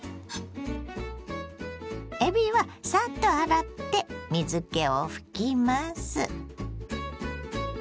えびはサッと洗って水けを拭きます。